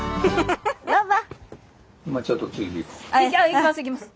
行きます行きます！